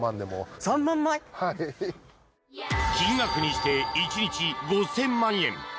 金額にして１日５０００万円。